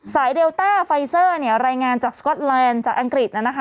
เดลต้าไฟเซอร์รายงานจากสก๊อตแลนด์จากอังกฤษ